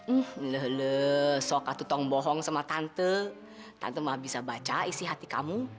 eh lele kok kamu bohong sama aku aku gak bisa baca isi hati kamu